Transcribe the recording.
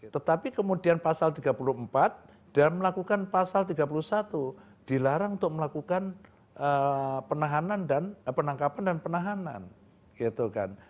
tetapi kemudian pasal tiga puluh empat dan melakukan pasal tiga puluh satu dilarang untuk melakukan penangkapan dan penahanan gitu kan